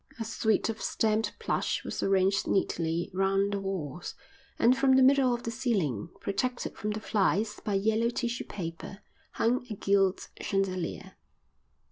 A suite of stamped plush was arranged neatly round the walls, and from the middle of the ceiling, protected from the flies by yellow tissue paper, hung a gilt chandelier.